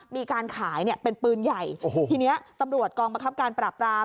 มีการขายเนี่ยเป็นปืนใหญ่ทีเนี้ยตำรวจกรรมกรรมการปรับราม